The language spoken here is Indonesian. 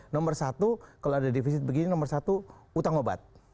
nomor satu kalau ada defisit begini nomor satu utang obat